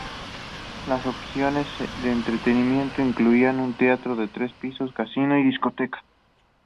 Las opciones de entretenimiento incluían un teatro de tres pisos, casino y discoteca.